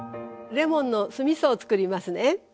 レモンの酢みそをつくりますね。